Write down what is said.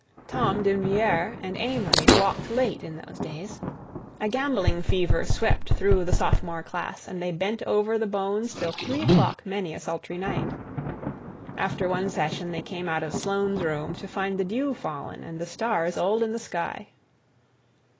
Tom D'Invilliers and Amory walked late in those days. A gambling fever swept through the sophomore class and they bent over the bones till three o'clock many a sultry night. After one session they came out of Sloane's room to find the dew fallen and the stars old in the sky.